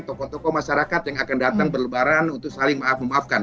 tokoh tokoh masyarakat yang akan datang berlebaran untuk saling maaf memaafkan